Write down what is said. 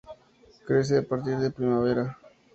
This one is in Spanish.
Crece a partir de primavera.